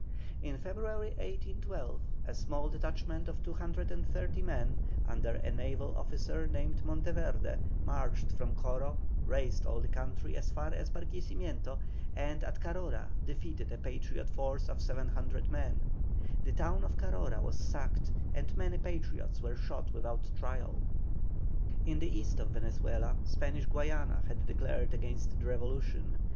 In February, 1812, a small detachment of 230 men, under a naval officer named Monteverde, marched from Coro, raised all the country as far as Barquisimeto, and at Carora defeated a Patriot force of 700 men. The town of Carora was sacked, and many Patriots were shot without trial. In the east of Venezuela, Spanish Guayana had declared against the revolution.